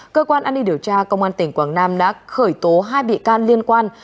cơ quan an ninh điều tra công an tỉnh quảng nam đã khởi tố hai bị can liên quan